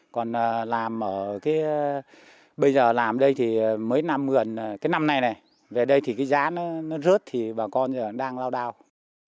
còn làm ở cái bây giờ làm đây thì mấy năm vườn cái năm nay này về đây thì cái giá nó rớt thì bà con đang lao đao